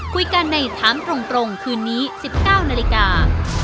คุยกันในถามตรงคืนนี้๑๙นาฬิกา